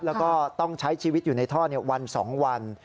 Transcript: แล้วก็ต้องใช้ชีวิตอยู่ในท่อวัน๒วัน